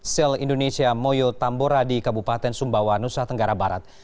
sel indonesia moyo tambora di kabupaten sumbawa nusa tenggara barat